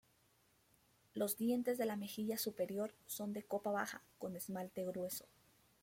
Los dientes de la mejilla superior son de copa baja con esmalte grueso.